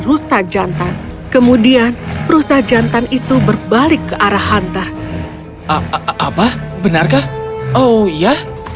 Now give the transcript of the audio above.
rusa jantan kemudian rusa jantan itu berbalik ke arah hunter apa benarkah oh ya